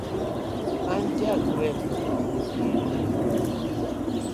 An ja gwel gita.